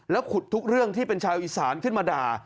ขุดทุกเรื่องที่เป็นชาวอีสานขึ้นมาด่า